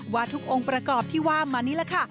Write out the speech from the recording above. ว่าทุกองค์ประกอบที่ว่ามานี่แหละค่ะ